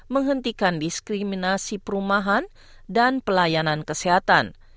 menghentikan diskriminasi perumahan dan pelayanan kesehatan